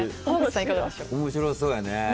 面白そうやね。